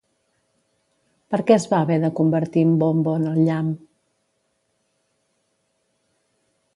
Per què es va haver de convertir Mbombo en el llamp?